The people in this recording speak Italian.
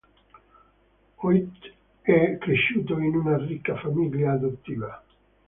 Hoyt è cresciuto in una ricca famiglia adottiva.